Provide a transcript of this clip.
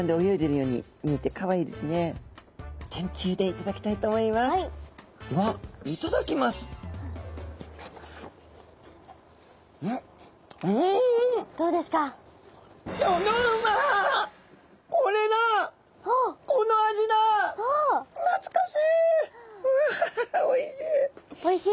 うわおいしい。